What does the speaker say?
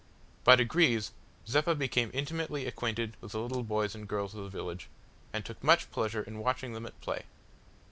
By degrees Zeppa became intimately acquainted with the little boys and girls of the village, and took much pleasure in watching them at play.